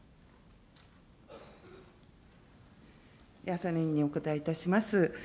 浅野委員にお答えいたします。